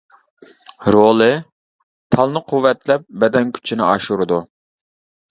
رولى: تالنى قۇۋۋەتلەپ، بەدەن كۈچىنى ئاشۇرىدۇ.